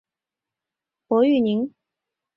华润集团的现任董事长兼总经理为傅育宁。